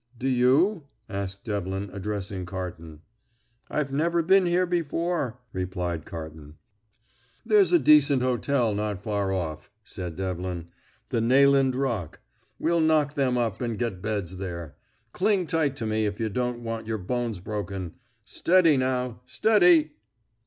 "Do you?" asked Devlin, addressing Carton. "I've never been here before," replied Carton. "There's a decent hotel not far off," said Devlin: "the Nayland Rock. We'll knock them up, and get beds there. Cling tight to me if you don't want your bones broken. Steady now, steady!"